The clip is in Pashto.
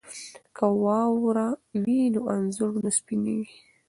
که واوره وي نو انځور نه سپینیږي.